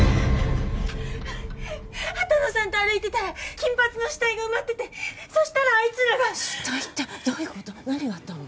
畑野さんと歩いてたら金髪の死体が埋まっててそしたらあいつらが死体ってどういうこと何があったの？